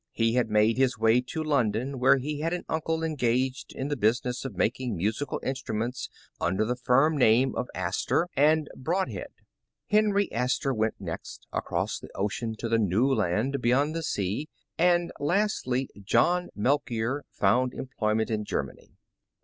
He had made his way to London, where he had an uncle engaged in the business of making musi cal instruments, under the firm name of Astor and The Original John Jacob Astor Broadliead. Henry Astor went next, across the ocean to the "New Land" beyond the sea, and lastly John Melchior found employment in Germany.